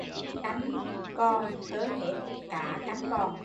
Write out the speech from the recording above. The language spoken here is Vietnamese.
Canh còn cơm hết cá canh còn